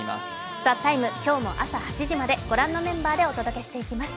「ＴＨＥＴＩＭＥ，」、今日も朝８時までご覧のメンバーでお届けしていきます。